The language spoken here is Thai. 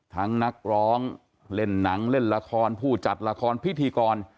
นักร้องเล่นหนังเล่นละครผู้จัดละครพิธีกร